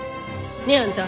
ねえあんた。